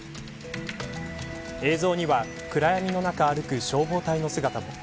映像には暗闇の中を歩く消防隊の姿。